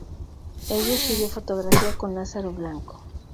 Ella estudió fotografía con Lázaro Blanco.